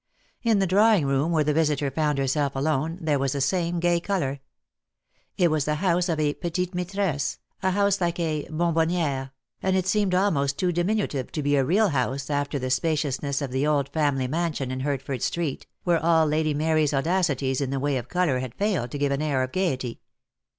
In the drawing room where the visitor found herself alone, there v/as the same gay colour. It was the house of a petite inaitresse, a house like a bonbonniere , and it seemed almost too diminutive to be a real house after the spacious ness of the old family mansion in Hertford Street, where all Lady Mary's audacities in the way of colour had failed to give an air of gaiety.